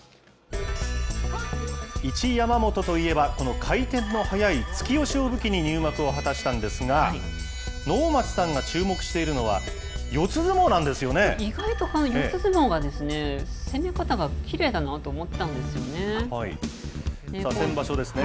一山本といえば、この回転の速い突き押しを武器に入幕を果たしたんですが、能町さんが注目してい意外と、この四つ相撲が、攻め方がきれいだなと思ったんですよね。